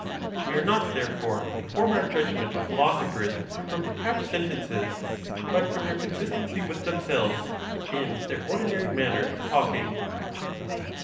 We are not, therefore, to form our judgment of philosophers from detached sentences, but from their consistency with themselves, and their ordinary manner of talking.